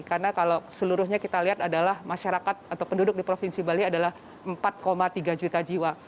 karena kalau seluruhnya kita lihat adalah masyarakat atau penduduk di provinsi bali adalah empat tiga juta jiwa